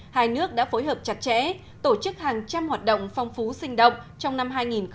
hai nước đã phối hợp chặt chẽ tổ chức hàng trăm hoạt động phong phú sinh động trong năm hai nghìn hai mươi